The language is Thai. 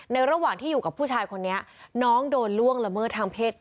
ระหว่างที่อยู่กับผู้ชายคนนี้น้องโดนล่วงละเมิดทางเพศ